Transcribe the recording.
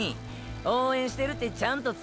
応援してるってちゃんと伝えてや！